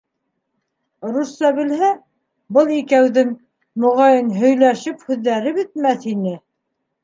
Русса белһә, был икәүҙең, моғайын, һөйләшеп һүҙҙәре бөтмәҫ ине.